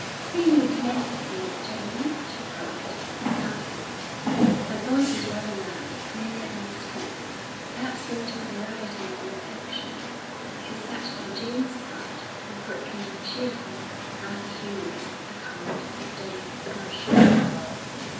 "Say you're glad to see us, Jamie!" she cried, laughing. Her voice was rather loud, clear and strong, perhaps wanting variety of inflection. She sat by Jamie's side, and broke into a cheerful, rather humorous, account of the day's excursion.